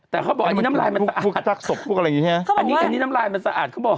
แต่เขาบอกอันนี้น้ำลายมันสะอาดอันนี้น้ำลายมันสะอาดเขาบอก